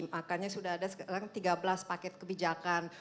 makanya sudah ada sekarang tiga belas paket kebijakan